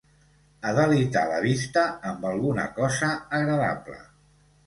Adelitar la vista amb alguna cosa agradable.